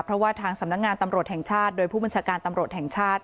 เพราะว่าทางสำนักงานตำรวจแห่งชาติโดยผู้บัญชาการตำรวจแห่งชาติ